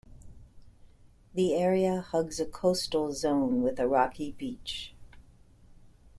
The area hugs a coastal zone with a rocky beach.